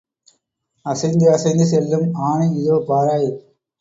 அசைந்து அசைந்து செல்லும் ஆனை இதோ பாராய்.